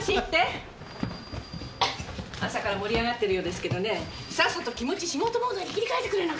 朝から盛り上がってるようですけどねさっさと気持ち仕事モードに切り替えてくれなくちゃ。